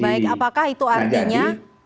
baik apakah itu artinya